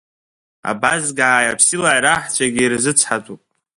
Абазгааи аԥсилааи раҳцәагьы ирзыцҳатәуп…